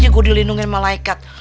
terus kita dilindungi malaikat